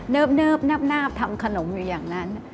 เนิบแนบทำขนมอยู่อย่างนั้น